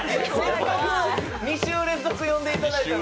２週連続で呼んでいただいたんで。